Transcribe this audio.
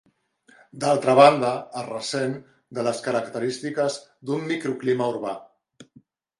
D'altra banda, es ressent de les característiques d'un microclima urbà.